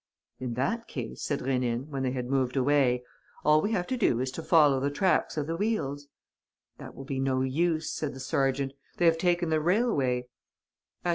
"In that case," said Rénine, when they had moved away, "all we have to do is to follow the tracks of the wheels." "That will be no use," said the sergeant. "They have taken the railway."